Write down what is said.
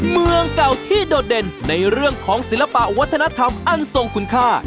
เมืองเก่าที่โดดเด่นในเรื่องของศิลปะวัฒนธรรมอันทรงคุณค่า